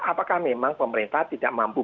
apakah memang pemerintah tidak mampu